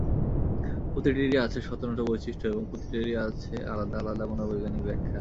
প্রতিটিরই আছে স্বতন্ত্র বৈশিষ্ট্য এবং প্রতিটিরই আছে আলাদা আলাদা মনোবৈজ্ঞানিক ব্যাখ্যা।